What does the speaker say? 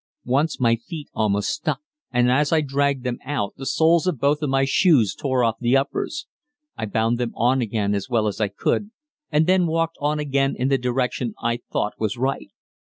Once my feet almost stuck, and as I dragged them out the soles of both my shoes tore off the uppers. I bound them on again as well as I could, and then walked on again in the direction I thought was right.